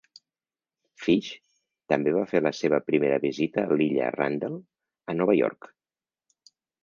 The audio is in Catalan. Phish també va fer la seva primera visita a l'illa Randall a Nova York.